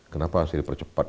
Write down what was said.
kenapa saya dipercepat